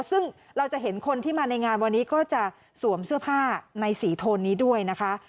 ซึ่งเราจะเห็นคนที่มาในงานวันนี้ก็จะสวมเสื้อผ้าในสีโทนนี้ด้วยนะคะ